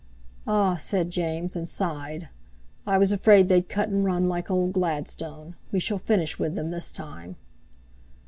'" "Ah!" said James, and sighed. "I was afraid they'd cut and run like old Gladstone. We shall finish with them this time."